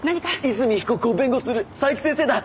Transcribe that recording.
泉被告を弁護する佐伯先生だ！